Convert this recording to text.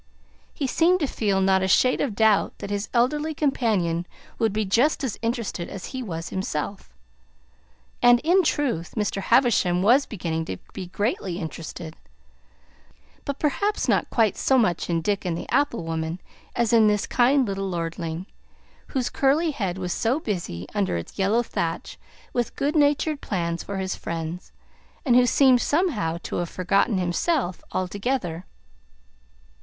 He seemed to feel not a shade of a doubt that his elderly companion would be just as interested as he was himself. And in truth Mr. Havisham was beginning to be greatly interested; but perhaps not quite so much in Dick and the apple woman as in this kind little lordling, whose curly head was so busy, under its yellow thatch, with good natured plans for his friends, and who seemed somehow to have forgotten himself altogether.